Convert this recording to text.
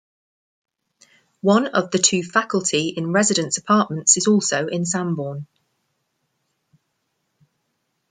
One of the two Faculty in Residence apartments is also in Sanborn.